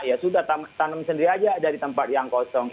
ya sudah tanam sendiri aja dari tempat yang kosong